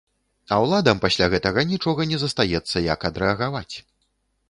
А ўладам пасля гэтага нічога не застаецца, як адрэагаваць.